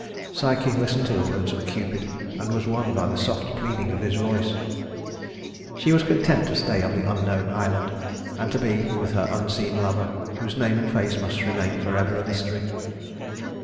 Psyche listened to the words of Cupid, and was won by the soft pleading of his voice. She was content to stay on the unknown island, and to be with her unseen lover, whose name and face must remain forever a mystery.